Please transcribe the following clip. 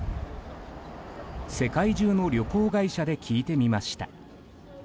世界中の旅行会社で聞いてみました。